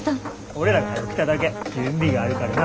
俺らがはよ来ただけ。準備があるからな。